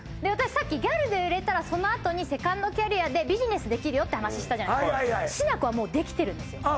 さっきギャルで売れたらそのあとにセカンドキャリアでビジネスできるって話したじゃないですかしなこはもうできてるんですよああ